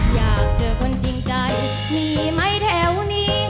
อยากเจอคนจริงใจพี่ไหมแถวนี้